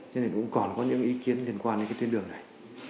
cho nên cũng còn có những ý kiến liên quan đến cái tuyến đường này